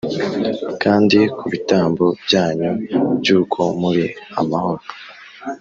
Kandi ku bitambo byanyu by uko muri amahoro